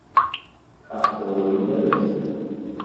Aɣet awal i baba-twen.